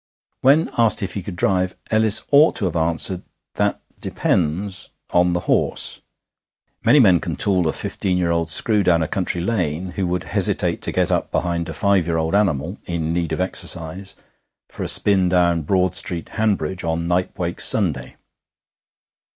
When asked if he could drive, Ellis ought to have answered: 'That depends on the horse.' Many men can tool a fifteen year old screw down a country lane who would hesitate to get up behind a five year old animal (in need of exercise) for a spin down Broad Street, Hanbridge, on Knype Wakes Sunday.